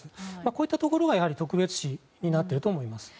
こういったところが、やはり特別視になっていると思います。